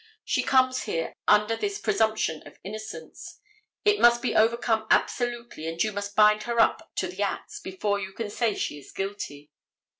She comes here under this presumption of innocence. It must be overcome absolutely and you must bind her up to the acts before you can say she is guilty.